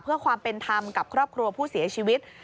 เพื่อความเป็นธรรมกับครอบครัวผู้เสียชีวิต